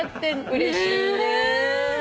うれしいねぇ。